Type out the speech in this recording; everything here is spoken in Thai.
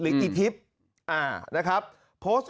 แถลงการแนะนำพระมหาเทวีเจ้าแห่งเมืองทิพย์